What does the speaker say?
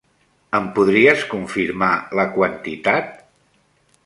Em podries confirmar la quantitat?